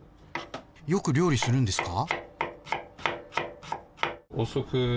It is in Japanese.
よく料理するんですか？